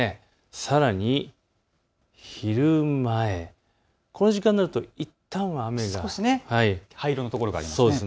さらに昼前、この時間になるといったんは雨が灰色の所がありますね。